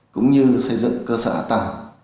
cũng như xây dựng cơ sở ả tầng